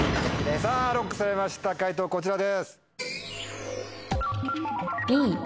ＬＯＣＫされました解答こちらです。